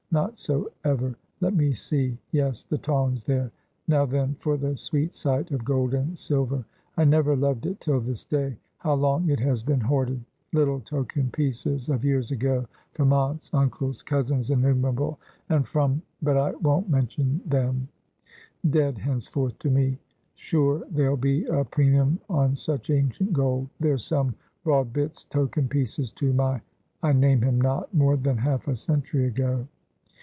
Not so, ever. Let me see: yes, the tongs there. Now then for the sweet sight of gold and silver. I never loved it till this day. How long it has been hoarded; little token pieces, of years ago, from aunts, uncles, cousins innumerable, and from but I won't mention them; dead henceforth to me! Sure there'll be a premium on such ancient gold. There's some broad bits, token pieces to my I name him not more than half a century ago.